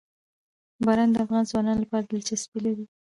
باران د افغان ځوانانو لپاره دلچسپي لري.